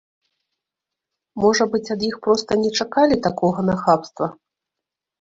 Можа быць, ад іх проста не чакалі такога нахабства?